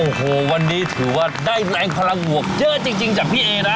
โอ้โหวันนี้ถือว่าได้แรงพลังบวกเยอะจริงจากพี่เอนะ